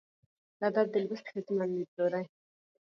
'د ادب د لوست ښځمن ليدلورى